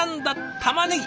たまねぎ？